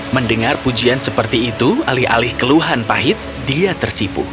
mendengar pujian seperti itu alih alih keluhan pahit dia tersipu